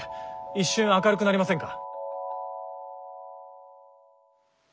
一瞬明るくなりませんか？